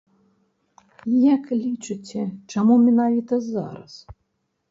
Як лічыце, чаму менавіта зараз?